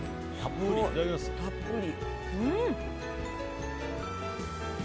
たっぷり。